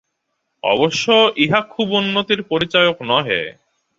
অবশ্য ইহা খুব উন্নতির পরিচায়ক নহে।